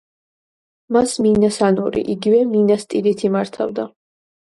მას მინას ანორი, იგივე მინას ტირითი მართავდა.